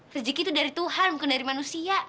rejeki itu dari tuhan bukan dari manusia